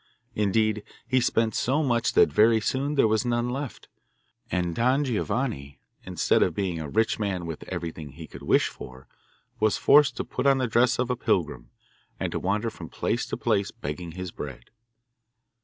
Indeed, he spent so much that very soon there was none left, and Don Giovanni, instead of being a rich man with everything he could wish for, was forced to put on the dress of a pilgrim, and to wander from place to place begging his bread.